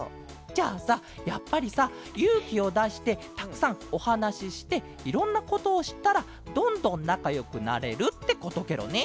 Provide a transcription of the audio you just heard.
じゃあさやっぱりさゆうきをだしてたくさんおはなししていろんなことをしったらどんどんなかよくなれるってことケロね。